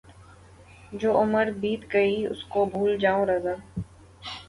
جو عُمر بیت گئی اُس کو بھُول جاؤں رضاؔ